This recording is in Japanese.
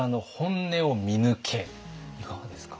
いかがですか？